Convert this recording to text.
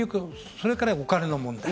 それからお金の問題。